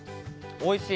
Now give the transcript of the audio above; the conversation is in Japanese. おいしい。